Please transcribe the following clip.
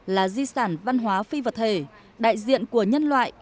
là di sản văn hóa phi vật thể đại diện của nhân loại